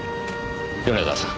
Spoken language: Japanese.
米沢さん